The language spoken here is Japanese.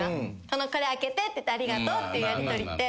これ開けてって言ってありがとうっていうやりとりって。